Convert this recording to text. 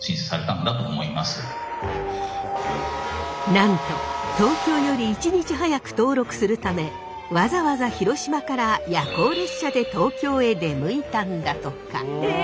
なんと東京より１日早く登録するためわざわざ広島から夜行列車で東京へ出向いたんだとか。